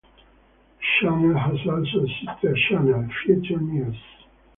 The channel has also a sister channel, Future News.